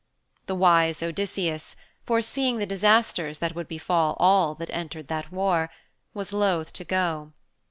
The wise Odysseus, foreseeing the disasters that would befall all that entered that war, was loth to go.